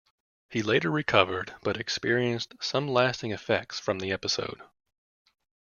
He later recovered, but experienced some lasting effects from the episode.